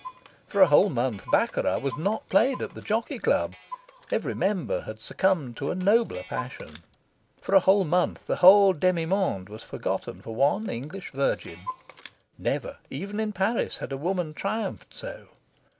For a whole month, baccarat was not played at the Jockey Club every member had succumbed to a nobler passion. For a whole month, the whole demi monde was forgotten for one English virgin. Never, even in Paris, had a woman triumphed so.